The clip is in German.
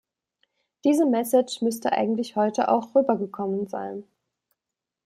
Diese Message müsste eigentlich heute auch rübergekommen sein.